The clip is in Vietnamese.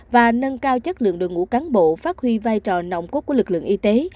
và nâng cao chất lượng đội ngũ cán bộ phát huy vai trò nồng cốt của lực lượng y tế